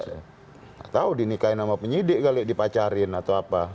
tidak tahu dinikain sama penyidik kali dipacarin atau apa